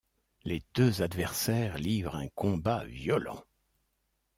Les deux adversaires livrent un combat violent.